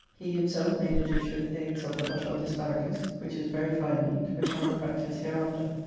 He himself made a dish with eggs of the butter of the Sparagus, which is very fine meat, which I will practise hereafter.